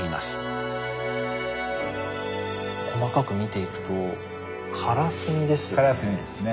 細かく見ていくとからすみですね。